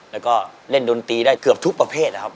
แล้วก็เล่นดนตรีได้เกือบทุกประเภทนะครับ